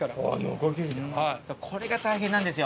これが大変なんですよ